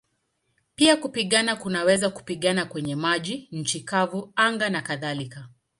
Pia kupigana kunaweza kupigana kwenye maji, nchi kavu, anga nakadhalika.